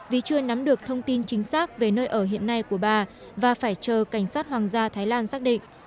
vì chưa nắm được thông tin chính xác về nơi ở hiện nay của bà và phải chờ cảnh sát hoàng gia thái lan xác định